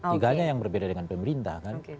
tiga nya yang berbeda dengan pemerintah